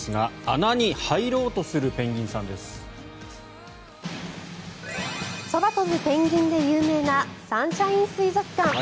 空飛ぶペンギンで有名なサンシャイン水族館。